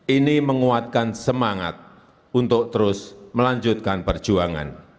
ini menguatkan semangat untuk terus melanjutkan perjuangan